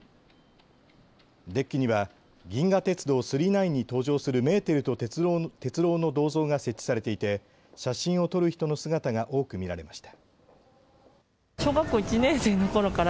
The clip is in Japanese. デッキには銀河鉄道９９９に登場するメーテルと鉄郎の銅像が設置されていて写真を撮る人の姿が多く見られました。